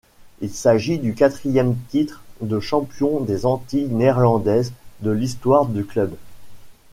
Il s’agit du quatrième titre de champion des Antilles néerlandaises de l’histoire du club.